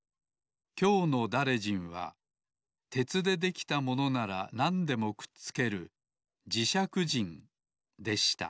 きょうのだれじんはてつでできたものならなんでもくっつけるじしゃくじんでした